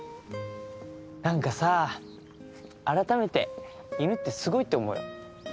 何かさ改めて犬ってすごいって思うよ。